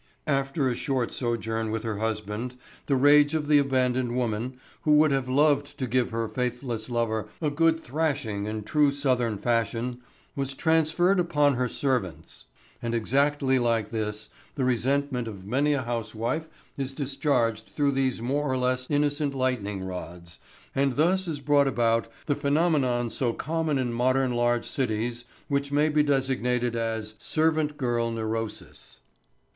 After a short sojourn with her husband the rage of the abandoned woman, who would have loved to give her faithless lover a good thrashing in true southern fashion, was transferred upon her servants. And exactly like this the resentment of many a housewife is discharged through these more or less innocent lightning rods, and thus is brought about the phenomenon so common in modern large cities which may be designated as "servant girl neurosis."